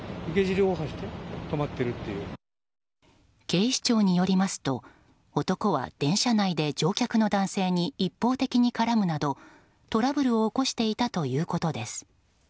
警視庁によりますと男は電車内で乗客の男性に一方的に絡むなどトラブルを起こしていたということです。